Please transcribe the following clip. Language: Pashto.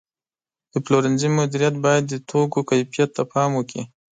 د پلورنځي مدیریت باید د توکو کیفیت ته پام وکړي.